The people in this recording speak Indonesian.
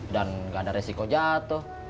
dan gak ada resiko jatuh